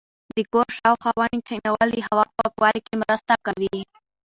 د کور شاوخوا ونې کښېنول د هوا په پاکوالي کې مرسته کوي.